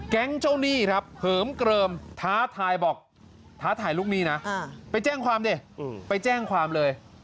แก๊งเจ้าหนี้ครับเหิมเกลิมท้าทายบอกท้าทายลูกหนี้นะไปแจ้งความดิไปแจ้งความเลย